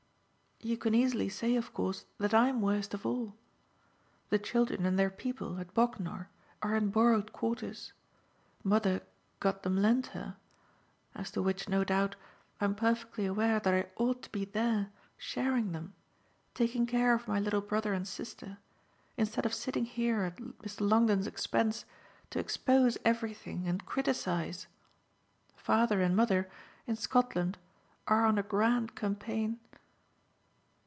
You can easily say of course that I'm worst of all. The children and their people, at Bognor, are in borrowed quarters mother got them lent her as to which, no doubt, I'm perfectly aware that I ought to be there sharing them, taking care of my little brother and sister, instead of sitting here at Mr. Longdon's expense to expose everything and criticise. Father and mother, in Scotland, are on a grand campaign.